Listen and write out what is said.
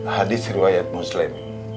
hadis riwayat muslim